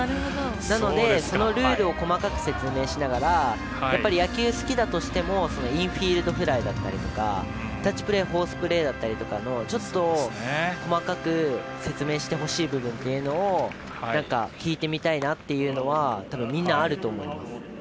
なので、そのルールを細かく説明しながら野球好きだとしてもインフィールドフライだったりタッチプレーフォースプレーだったり細かく説明してほしい部分っていうのを聴いてみたいなっていうのはみんな、あると思います。